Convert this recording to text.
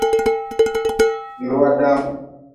Lua daam.